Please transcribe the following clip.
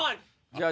じゃあ